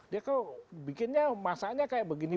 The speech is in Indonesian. dia kok bikinnya masaknya kayak begini